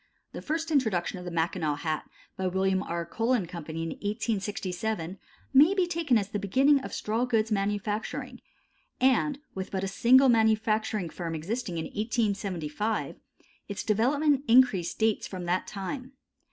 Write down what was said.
The first introduction of the Mackinaw hat by William R. Cole & Co., in 1867, may be taken as the beginning of straw goods manufacturing, and with but a single manufacturing firm existing in 1875, its development and increase dates from that time.